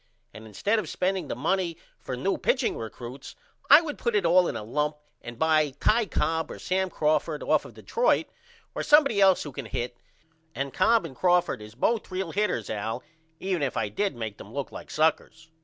And instead of spending the money for new pitching recruts I would put it all in a lump and buy Ty Cobb or Sam Crawford off of Detroit or somebody else who can hit and Cobb and Crawford is both real hitters Al even if I did make them look like suckers.